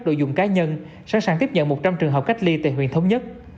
đồ dùng cá nhân sẵn sàng tiếp nhận một trăm linh trường hợp cách ly tại huyện thống nhất